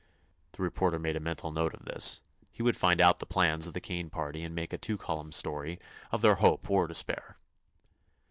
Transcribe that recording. The reporter made a mental note of this; he would find out the plans of the Kane party and make a two column story of their hope or despair.